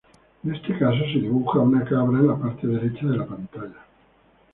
En este caso, se dibuja una cabra en la parte derecha de la pantalla.